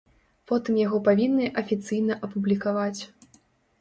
Потым яго павінны афіцыйна апублікаваць.